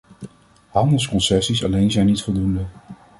Handelsconcessies alleen zijn niet voldoende.